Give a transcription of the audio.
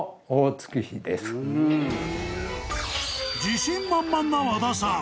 ［自信満々な和田さん］